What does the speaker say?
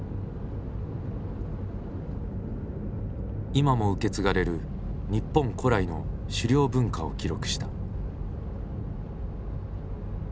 今も受け継がれる日本古来の狩猟文化を記録した。